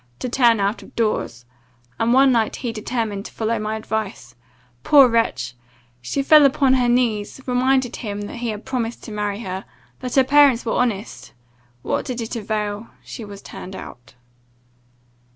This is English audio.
to turn out of doors: and one night he determined to follow my advice. Poor wretch! She fell upon her knees, reminded him that he had promised to marry her, that her parents were honest! What did it avail? She was turned out.